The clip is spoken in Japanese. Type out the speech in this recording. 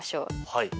はい。